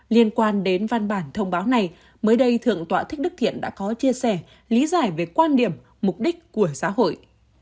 liên quan đến văn bản thông báo này mới đây thượng tọa thích đức thiện đã có chia sẻ lý giải về quan điểm mục đích của xã hội